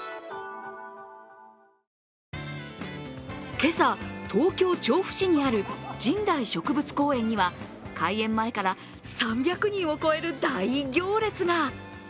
今朝、東京・調布市にある神代植物公園には開園前から３００人を超える大行列が。